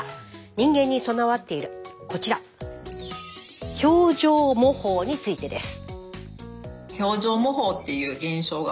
人間に備わっているこちら。についてです。